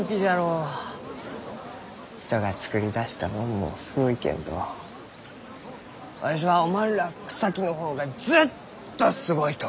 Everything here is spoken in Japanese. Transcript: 人がつくり出したもんもすごいけんどわしはおまんらあ草木の方がずっとすごいと思う！